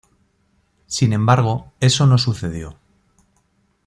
Sin embargo, eso no sucedió.